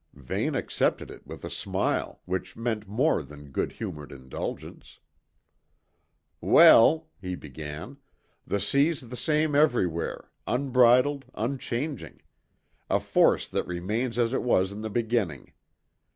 Vane accepted it with a smile which meant more than good humoured indulgence. "Well," he began, "the sea's the same everywhere, unbridled, unchanging; a force that remains as it was in the beginning.